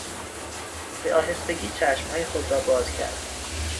به آهستگی چشمهای خود را باز کرد.